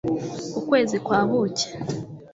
ukwezi kwa buki